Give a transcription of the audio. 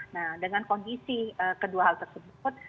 nah dengan kondisi kedua hal tersebut